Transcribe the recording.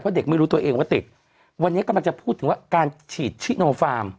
เด็กไม่รู้ตัวเองว่าติดวันนี้กำลังจะพูดถึงว่าการฉีดชิโนฟาร์ม